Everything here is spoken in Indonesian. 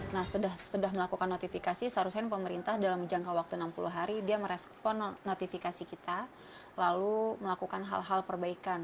nah setelah melakukan notifikasi seharusnya pemerintah dalam jangka waktu enam puluh hari dia merespon notifikasi kita lalu melakukan hal hal perbaikan